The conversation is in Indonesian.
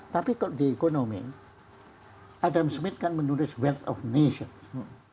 tapi kalau di ekonomi adam smith kan menulis wealth of nations